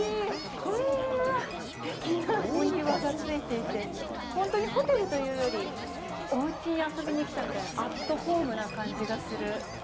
こんなすてきなお庭が付いていて、ほんとにホテルというより、おうちに遊びに来たみたいな、アットホームな感じがする。